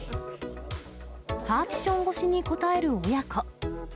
パーティション越しに答える親子。